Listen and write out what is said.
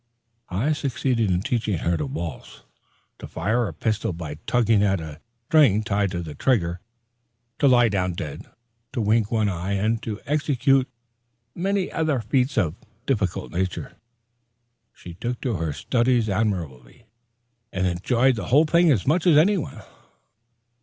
I succeeded in teaching her to waltz, to fire a pistol by tugging at a string tied to the trigger, to lie down dead, to wink one eye, and to execute many other feats of a difficult nature. She took to her studies admirably, and enjoyed the whole thing as much as anyone.